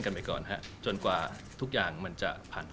หลังจากที่เกิดเหตุการณ์แบบนี้ขึ้นนะครับ